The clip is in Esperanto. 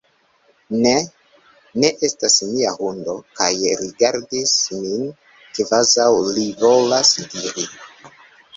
Ne! Ne estas mia hundo! kaj rigardis min kvazaŭ li volas diri